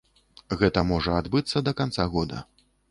Гэта можа адбыцца да канца года.